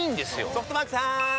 ソフトバンクさーん！